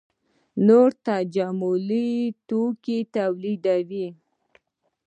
نور تجملي توکي تولیدوي.